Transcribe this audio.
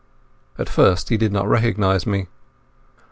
At first he did not recognize me.